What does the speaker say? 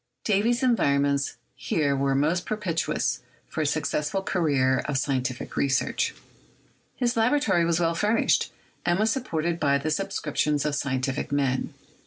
Davy's environments here were most pro pitious for a successful career of scientific research. His laboratory was well furnished, and was supported by the subscriptions of scientific men.